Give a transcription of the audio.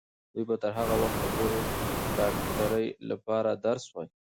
دوی به تر هغه وخته پورې د ډاکټرۍ لپاره درس وايي.